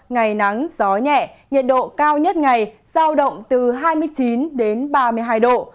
ngày nắng gió nhẹ nhiệt độ cao nhất ngày giao động từ hai mươi chín đến ba mươi hai độ